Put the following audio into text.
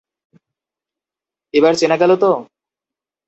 এবার চেনা গেল তো?